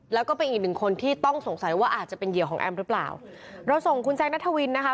แล้วก็เป็นอีกหนึ่งคนที่ต้องสงสัยว่าอาจจะเป็นเหยื่อของแอมหรือเปล่าเราส่งคุณแซคนัทวินนะคะ